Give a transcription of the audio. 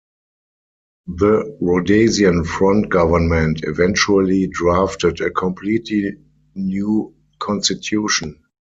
The Rhodesian Front government eventually drafted a completely new constitution.